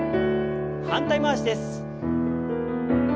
反対回しです。